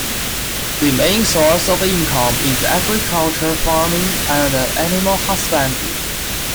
The main source of income is agriculture-farming and animal husbandry.